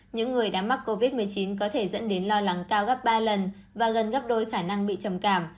những người đã mắc covid một mươi chín có thể dẫn đến lo lắng cao gấp ba lần và gần gấp đôi khả năng bị trầm cảm